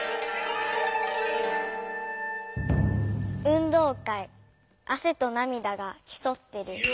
「運動会汗と涙が競ってる」。